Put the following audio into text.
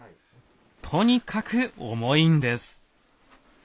とにかく重いんです。